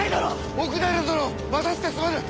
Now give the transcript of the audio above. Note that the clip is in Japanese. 奥平殿待たしてすまぬ！